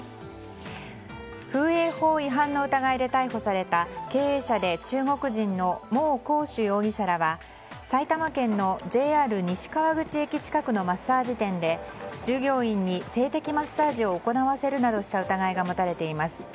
風営法違反の疑いで逮捕された経営者で中国人のモウ・コウシュ容疑者らは埼玉県のＪＲ西川口駅近くのマッサージ店で、従業員に性的マッサージを行わせるなどした疑いが持たれています。